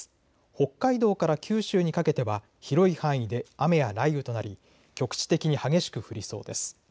北海道から九州にかけては広い範囲で雨や雷雨となり局地的に激しく降りそうです。